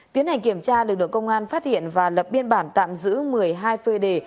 tiến hành kiểm tra lực lượng công an phát hiện và lập biên bản tạm giữ một mươi hai phơi đề